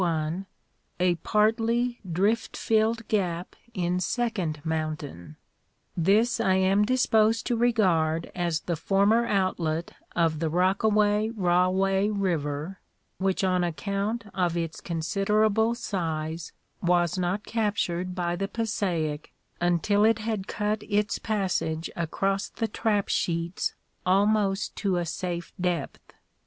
1) a partly drift filled gap in Second mountain: this I am disposed to regard as the former outlet of the Rockaway Rahway river, which on account of its considerable size was not captured by the Passaic until it had cut its passage across the trap sheets almost to a safe depth.